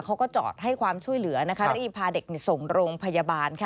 เขาก็จอดให้ความช่วยเหลือและพาเด็กที่นี่ส่งลงพยาบาล